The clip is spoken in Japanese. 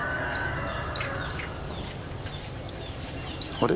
あれ？